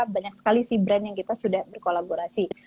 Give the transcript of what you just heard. banyak sekali sih brand yang kita sudah berkolaborasi